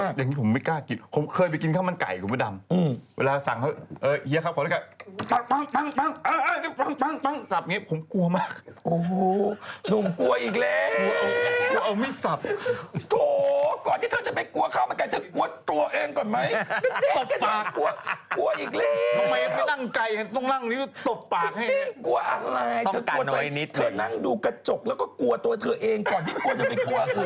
เขาเขียนไว้ตามข่าวเขาเขียนที่ไม่ได้คำดากแล้วก็มีแกติกวางไว้ให้